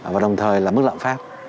và đồng thời là mức lạm pháp